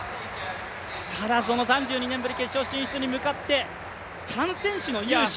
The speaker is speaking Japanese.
ただ、３２年ぶり決勝進出に向けて、３選手の雄志。